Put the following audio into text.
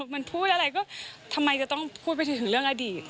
มันพูดอะไรก็ทำไมจะต้องพูดไปถึงเรื่องอดีต